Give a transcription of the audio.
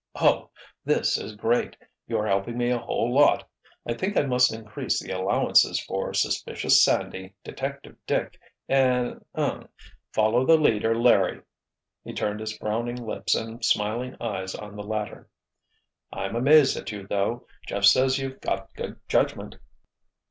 Oh—this is great! You're helping me a whole lot. I think I must increase the allowances for Suspicious Sandy, Detective Dick and—er—Follow the Leader Larry." He turned his frowning lips and smiling eyes on the latter. "I'm amazed at you, though. Jeff says you've got good judgment."